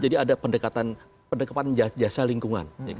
jadi ada pendekatan jasa lingkungan